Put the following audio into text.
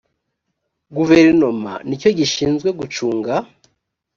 guverinoma ni cyo gishinzwe gucunga